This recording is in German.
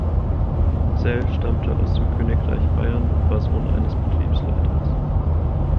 Gsell stammte aus dem Königreich Bayern und war Sohn eines Betriebsleiters.